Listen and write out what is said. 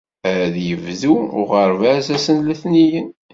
Ad yebdu uɣerbaz ass n letniyen.